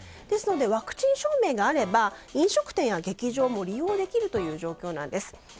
ですのでワクチン証明があれば飲食店や劇場も利用できる状況です。